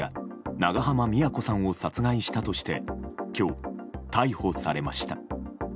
長濱美也子さんを殺害したとして今日、逮捕されました。